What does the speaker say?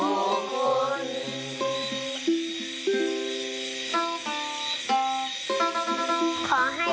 สวัสดีครับ